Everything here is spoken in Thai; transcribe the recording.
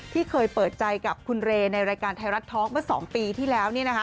ที่เคยเปิดใจกับคุณเรย์ในรายการไทยรัฐท้องเมื่อ๒ปีที่แล้ว